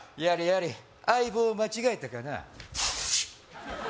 やれやれ相棒を間違えたかなシュッ！